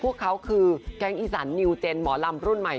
ก็คือแกงอีสันนิวเจนหมอลำรุ่นใหม่